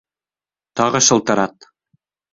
Тағы шылтырат!